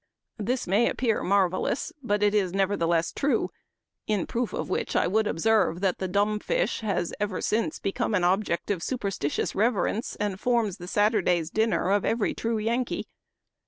" This may appear marvelous, but it is never theless true ; in proof of which I would observe that the dnmb fisJi has ever since become an object of superstitious reverence, and forms the Saturday's dinner of every true Yankee.